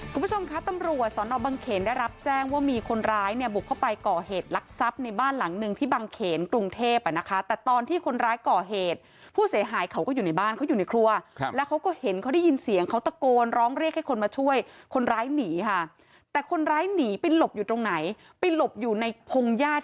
คุณผู้ชมคะตำรวจสอนอบังเขนได้รับแจ้งว่ามีคนร้ายเนี่ยบุกเข้าไปก่อเหตุลักษัพในบ้านหลังหนึ่งที่บังเขนกรุงเทพอ่ะนะคะแต่ตอนที่คนร้ายก่อเหตุผู้เสียหายเขาก็อยู่ในบ้านเขาอยู่ในครัวครับแล้วเขาก็เห็นเขาได้ยินเสียงเขาตะโกนร้องเรียกให้คนมาช่วยคนร้ายหนีค่ะแต่คนร้ายหนีไปหลบอยู่ตรงไหนไปหลบอยู่ในพงญาติ